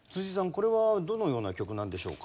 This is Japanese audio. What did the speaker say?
これはどのような曲なんでしょうか？